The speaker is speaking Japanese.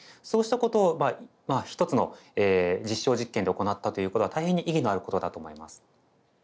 そうしたことを一つの実証実験で行ったということは大変に意義のあることだと思います。